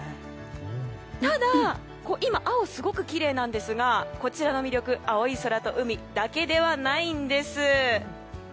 ただ、今青がすごくきれいなんですがこちらの魅力青い空と海だけではないんです。